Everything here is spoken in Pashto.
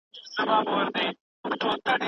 د میلمه عزت وکړئ.